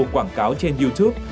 quảng cáo trên youtube